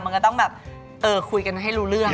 มันก็ต้องแบบคุยกันให้รู้เรื่อง